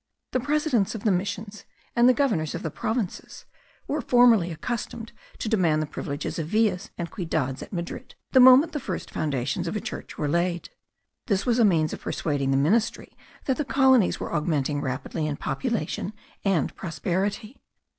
The presidents of the missions, and the governors of the provinces, were formerly accustomed to demand the privileges of villas and ciudades at Madrid, the moment the first foundations of a church were laid. This was a means of persuading the ministry that the colonies were augmenting rapidly in population and prosperity.